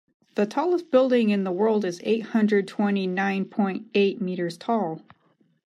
The tallest building in the world is eight hundred twenty nine point eight meters tall.